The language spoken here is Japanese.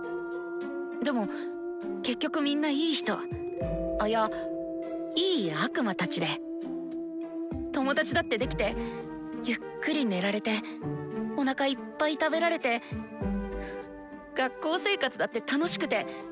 でも結局みんなイイ人あいやいい悪魔たちで友達だって出来てゆっくり寝られておなかいっぱい食べられて学校生活だって楽しくて。